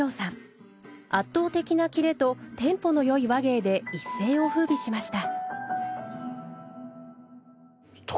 圧倒的なキレとテンポのよい話芸で一世をふうびしました。